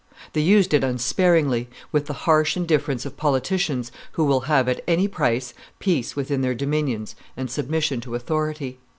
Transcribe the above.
They used it unsparingly, with the harsh indifference of politicians who will have, at any price, peace within their dominions and submission to authority.